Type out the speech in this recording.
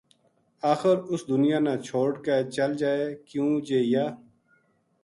آخر اس دنیا نا چھوڈ کے چل جائے کیوں جے یاہ